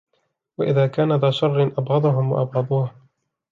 وَإِذَا كَانَ ذَا شَرِّ أَبْغَضَهُمْ وَأَبْغَضُوهُ